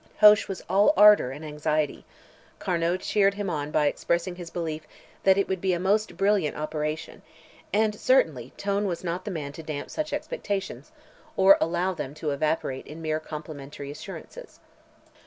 Hoche was all ardour and anxiety; Carnot cheered him on by expressing his belief that it would be "a most brilliant operation;" and certainly Tone was not the man to damp such expectations, or allow them to evaporate in mere complimentary assurances.